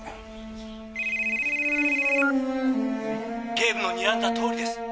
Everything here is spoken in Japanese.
「警部のにらんだとおりです」